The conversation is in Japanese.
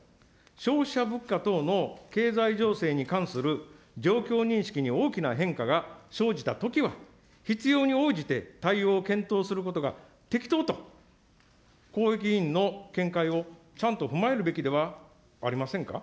消費者物価等の経済情勢に関する状況認識に大きな変化が生じたときは、必要に応じて対応を検討することが適当と、こうえきいいんの見解をちゃんと踏まえるべきではありませんか。